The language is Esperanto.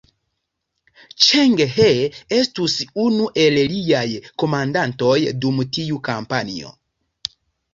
Ĉeng He estus unu el liaj komandantoj dum tiu kampanjo.